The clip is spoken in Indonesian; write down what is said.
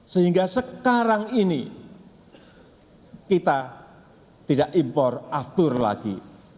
sehingga sekarang ini kita tidak impor aftur lagi